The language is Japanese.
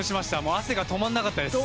汗が止まらなかったです